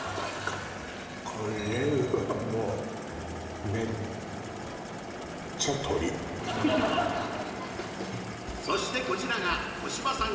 これはもうめっちゃ鶏そしてこちらが小芝さん